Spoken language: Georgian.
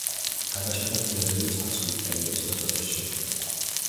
გადაშენდა გვიანდელი ცარცული პერიოდის დასაწყისში.